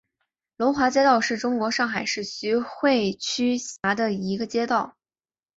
龙华街道是中国上海市徐汇区下辖的一个街道。